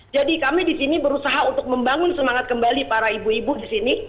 jadi kami di sini berusaha untuk membangun semangat kembali para ibu ibu di sini